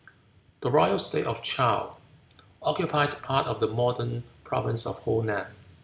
The royal state of Chow occupied part of the modern province of Honan.